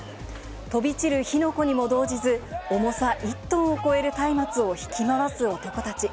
飛び散る火の粉にも動じず、重さ１トンを超えるたいまつを引き回す男たち。